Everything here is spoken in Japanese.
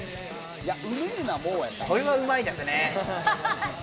これは、うまいですね。